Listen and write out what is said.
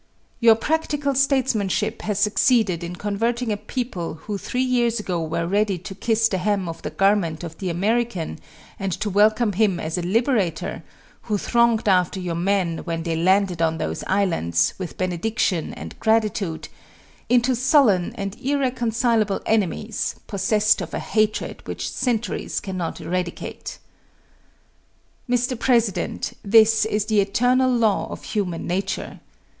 Your practical statesmanship has succeeded in converting a people who three years ago were ready to kiss the hem of the garment of the American and to welcome him as a liberator, who thronged after your men, when they landed on those islands, with benediction and gratitude, into sullen and irreconcilable enemies, possessed of a hatred which centuries cannot eradicate. Mr. President, this is the eternal law of human nature.